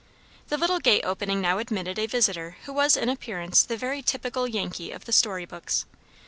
The little gate opening now admitted a visitor who was in appearance the very typical Yankee of the story books.